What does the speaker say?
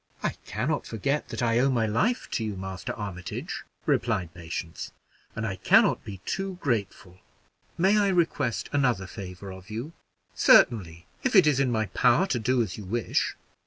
"I can not forget that I owe my life to you, Master Armitage," replied Patience, "and I can not be too grateful. May I request another favor of you?" "Certainly, if it is in my power to do as you wish."